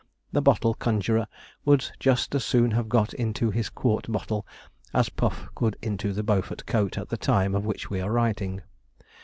The bottle conjurer could just as soon have got into his quart bottle as Puff could into the Beaufort coat at the time of which we are writing.